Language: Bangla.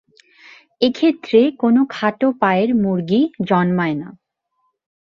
এক্ষেত্রে কোনো খাটো পায়ের মুরগি জন্মায় না।